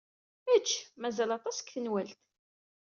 Ečč. Mazal aṭas deg tenwalt.